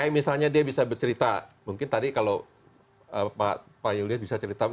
misalnya dia bisa bercerita